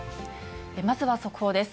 まずは速報です。